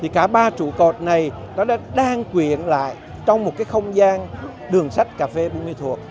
cả ba trụ cột này đã đan quyện lại trong một không gian đường sách cà phê buôn ma thuật